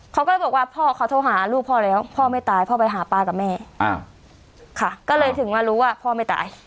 เขาก็เลยบอกว่าพ่อเขาโทรหาลูกพ่อแล้วพ่อไม่ตายพ่อไปหาป้ากับแม่ค่ะก็เลยถึงมารู้ว่าพ่อไม่ตาย